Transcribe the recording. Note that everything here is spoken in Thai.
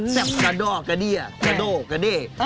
แซ่บกะดอกะเดี้ยกะโดกะเด้